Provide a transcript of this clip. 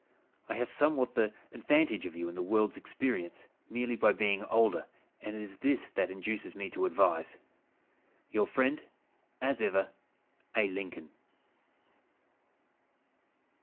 I have somewhat the advantage of you in the world's experience, merely by being older; and it is this that induces me to advise. "Your friend, as ever, "A. LINCOLN."